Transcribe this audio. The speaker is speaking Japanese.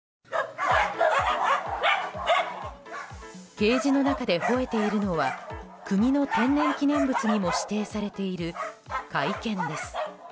ケージの中で吠えているのは国の天然記念物にも指定されている甲斐犬です。